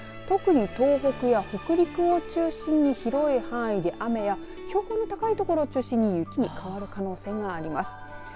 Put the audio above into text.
特に東北や北陸を中心に広い範囲で雨や標高の高い所を中心に雪に変わる可能性があります。